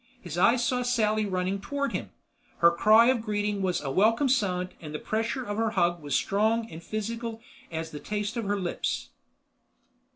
His eyes saw Sally running toward him, her cry of greeting was a welcome sound and the pressure of her hug was strong and physical as the taste of her lips.